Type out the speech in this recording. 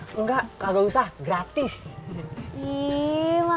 tidak ada yang nambah nay